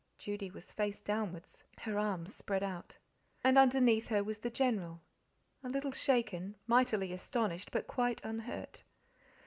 Judy was face downwards, her arms spread out. And underneath her was the General, a little shaken, mightily astonished, but quite unhurt.